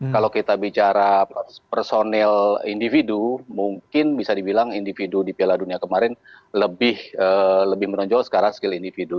kalau kita bicara personil individu mungkin bisa dibilang individu di piala dunia kemarin lebih menonjol sekarang skill individu